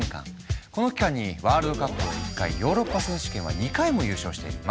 この期間にワールドカップを１回ヨーロッパ選手権は２回も優勝している。